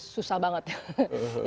susah banget ya